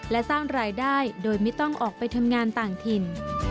และสร้างรายได้โดยไม่ต้องออกไปทำงานต่างถิ่น